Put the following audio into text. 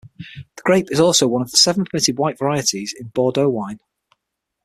The grape is also one of the seven permitted white varieties in Bordeaux wine.